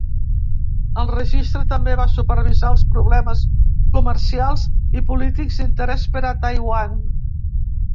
El registre també va supervisar els problemes comercials i polítics d'interès per a Taiwan.